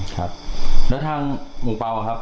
แล้วต่างหมู่เปลาครับ